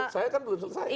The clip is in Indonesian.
saya kan belum selesai